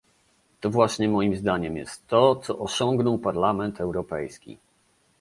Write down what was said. To właśnie moim zdaniem jest to, co osiągnął Parlament Europejski